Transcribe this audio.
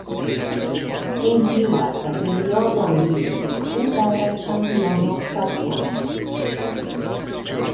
En tiu lasta periodo li estis hungara ĉampiono kvarfoje.